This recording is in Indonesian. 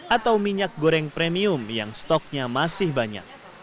atau minyak goreng premium yang stoknya masih banyak